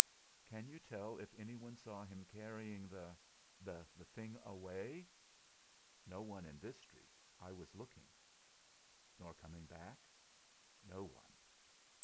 "Can you tell if anyone saw him carrying the the thing away?" "No one in this street I was looking." "Nor coming back?" "No one."